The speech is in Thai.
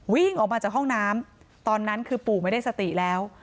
วิ่งออกมาจากห้องน้ำตอนนั้นคือปู่ไม่ได้สติแล้ว